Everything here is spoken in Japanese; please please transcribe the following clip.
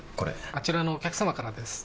あちらのお客様からです。